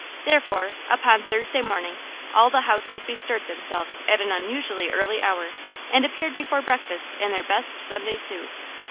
Therefore, upon Thursday morning all the household bestirred themselves at an unusually early hour, and appeared before breakfast in their best Sunday's suit.